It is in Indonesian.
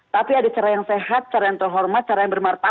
tapi ada cara yang sehat cara yang terhormat cara yang bermartabat